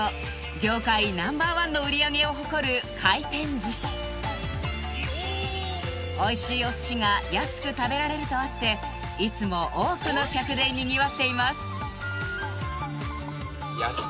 業界ナンバーワンの売り上げを誇る回転寿司おいしいお寿司が安く食べられるとあっていつも多くの客でにぎわっています